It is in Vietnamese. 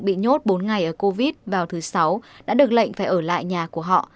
bị nhốt bốn ngày ở covid vào thứ sáu đã được lệnh phải ở lại nhà của họ